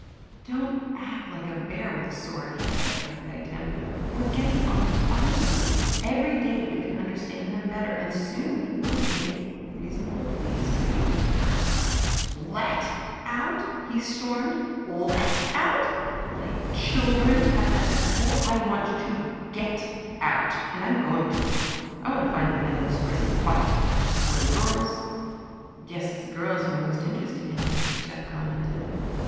"Don't act like a bear with a sore head," I begged him. "We're getting on finely. Every day we can understand them better, and pretty soon we can make a reasonable plea to be let out " "Let out!" he stormed. "Let out like children kept after school. I want to Get Out, and I'm going to. I want to find the men of this place and fight! or the girls " "Guess it's the girls you're most interested in," Jeff commented.